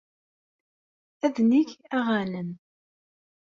Ad neg aɣanen.